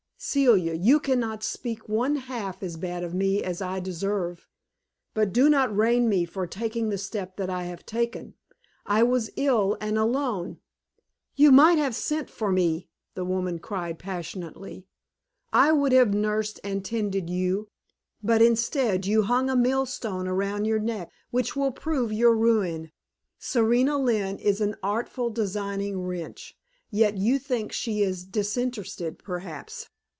Celia, you can not speak one half as bad of me as I deserve. But do not arraign me for taking the step that I have taken. I was ill and alone " "You might have sent for me!" the woman cried, passionately. "I would have nursed and tended you. But instead you hung a mill stone around your neck which will prove your ruin. Serena Lynne is an artful, designing wretch, yet you think she is disinterested, perhaps.